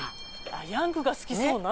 あっヤングが好きそうな？